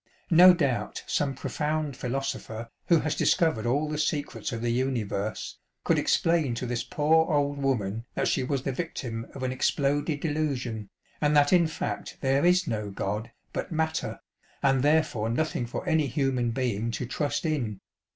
No doubt some profound philoso pher, who has discovered all the secrets of the universe, could explain to this poor old woman that she was the victim of an exploded delusion, and that in fact there is no God but " matter," and therefore nothing for any human being to trust in.